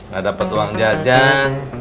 gak dapat uang jajan